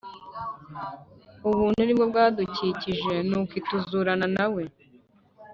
Ubuntu nibwo bwa dukijije: Nuko ituzurana nawe,